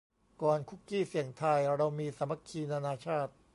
ก่อน คุกกี้เสี่ยงทาย เรามี สามัคคีนานาชาติ